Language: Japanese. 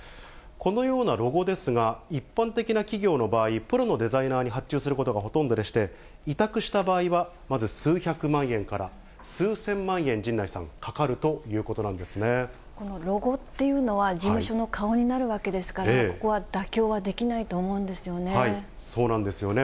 このようなロゴですが、一般的な企業の場合、プロのデザイナーに発注することがほとんどでして、委託した場合は、まず数百万円から数千万円、陣内さん、かかるということなんこのロゴっていうのは、事務所の顔になるわけですから、ここは妥協はできないと思うんでそうなんですよね。